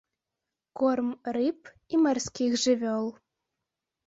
Корм рыб і марскіх жывёл.